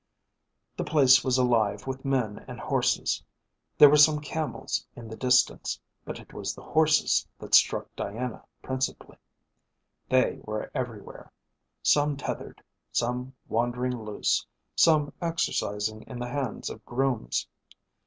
The place was alive with men and horses. There were some camels in the distance, but it was the horses that struck Diana principally. They were everywhere, some tethered; some wandering loose, some exercising in the hands of grooms.